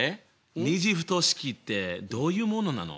２次不等式ってどういうものなの？